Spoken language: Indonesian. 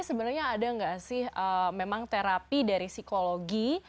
sebenarnya ada nggak sih memang terapi dari psikologi